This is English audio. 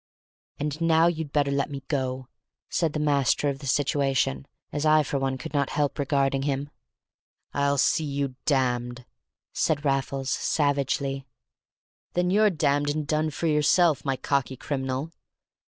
"And now you'd better let me go," said the master of the situation, as I for one could not help regarding him. "I'll see you damned," said Raffles, savagely. "Then you're damned and done for yourself, my cocky criminal.